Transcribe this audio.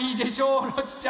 オロチちゃん。